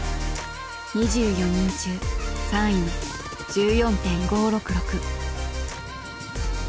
２４人中３位の１４．５６６。